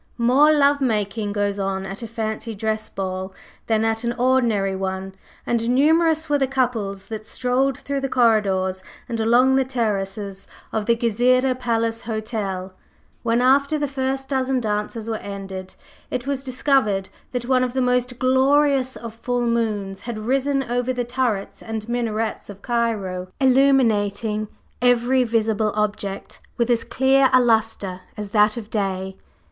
More love making goes on at a fancy dress ball than at an ordinary one; and numerous were the couples that strolled through the corridors and along the terraces of the Gezireh Palace Hotel when, after the first dozen dances were ended, it was discovered that one of the most glorious of full moons had risen over the turrets and minarets of Cairo, illumining every visible object with as clear a lustre as that of day.